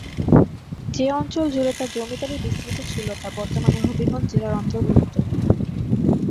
যে অঞ্চল জুড়ে তাঁর জমিদারি বিস্তৃত ছিল তা বর্তমানে হবিগঞ্জ জেলার অন্তর্ভুক্ত।